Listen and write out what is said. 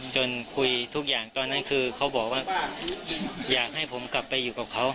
คุยทุกอย่างตอนนั้นคือเขาบอกว่าอยากให้ผมกลับไปอยู่กับเขา